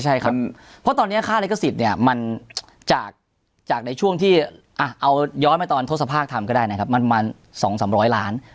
ใช่ครับเพราะตอนนี้ค่าลิขสิทธิ์เนี่ยมันจากในช่วงที่เอาย้อนมาตอนทศภาคทำก็ได้นะครับมัน๒๓๐๐ล้าน